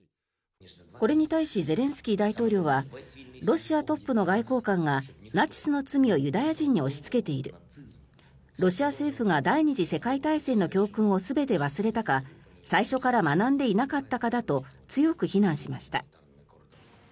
これに対しゼレンスキー大統領はロシアトップの外交官がナチスの罪をユダヤ人に押しつけているロシア政府が第２次世界大戦の教訓を全て忘れたか最初から学んでいなかったかだと強く非難しました。